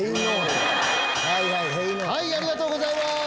ありがとうございます。